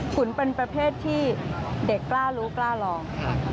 ขุนเป็นประเภทที่เด็กกล้ารู้กล้าลอง